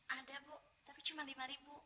ada bu tapi cuma lima ribu